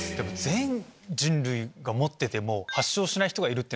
全人類が持ってても。